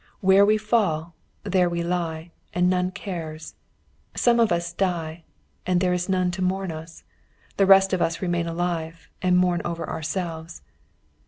Where we fall, there we lie, and none cares. Some of us die, and there is none to mourn us; the rest of us remain alive, and mourn over ourselves.